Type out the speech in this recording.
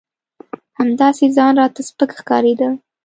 همداسې ځان راته سپک ښکارېده.